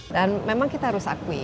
dan memang kita harus akui